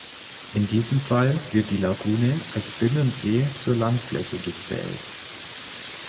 In diesem Fall wird die Lagune als Binnensee zur Landfläche gezählt.